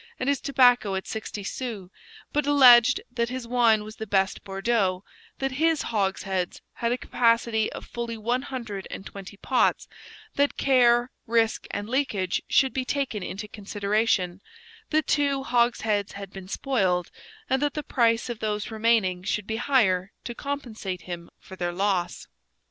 The defendant acknowledged that he had sold his wine at one hundred livres and his tobacco at sixty sous, but alleged that his wine was the best Bordeaux, that his hogsheads had a capacity of fully one hundred and twenty pots, that care, risk, and leakage should be taken into consideration, that two hogsheads had been spoiled, and that the price of those remaining should be higher to compensate him for their loss.